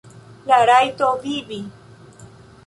La rajto vivi.